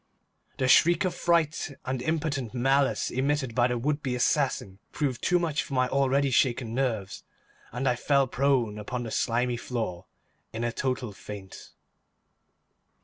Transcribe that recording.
The shriek of fright and impotent malice emitted by the would be assassin proved too much for my already shaken nerves, and I fell prone upon the slimy floor in a total faint.